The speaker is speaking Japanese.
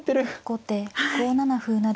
後手５七歩成。